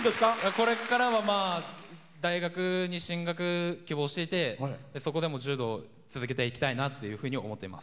これからは大学に進学を希望していて、そこでも柔道を続けていこうと思っています。